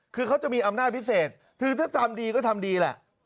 คือเขาจะมีอำนาจพิเศษคือถ้าทำดีก็ทำดีแหละ